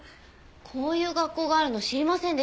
こういう学校があるの知りませんでした。